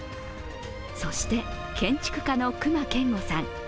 そして建築家の隈研吾さん。